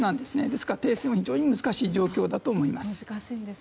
ですから停戦は非常に難しい状況だと思います。